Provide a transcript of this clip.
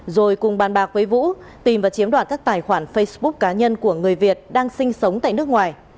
rồi cùng bàn bạc với vũ tìm và chiếm đoạt các tài khoản facebook cá nhân của người việt đang sinh sống tại nước ngoài